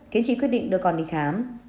khiến chị quyết định đưa con đi khám